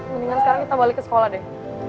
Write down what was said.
mendingan sekarang kita balik ke sekolah deh